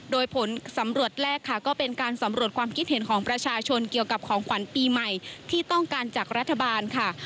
โดยผลสำรวจแรกค่ะก็เป็นการสำรวจความคิดเห็นของประชาชนเกี่ยวกับของขวัญปีใหม่ที่ต้องการจากรัฐบาลค่ะ